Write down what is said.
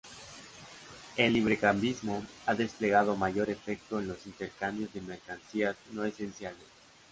El librecambismo ha desplegado mayor efecto en los intercambios de mercancías no esenciales.